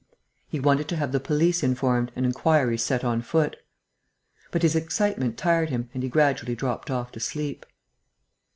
He wanted to have the police informed and inquiries set on foot. But his excitement tired him and he gradually dropped off to sleep.